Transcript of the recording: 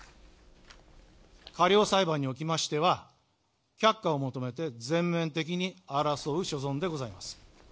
過料裁判におきましては、却下を求めて全面的に争う所存でございます。